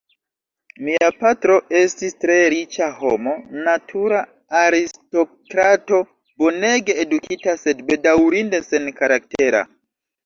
Mia patro estis tre riĉa homo, natura aristokrato, bonege edukita, sed bedaŭrinde senkaraktera.